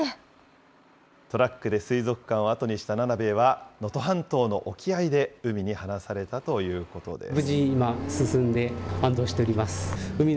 トラックで水族館を後にしたナナベエは、能登半島の沖合で、海に放されたということです。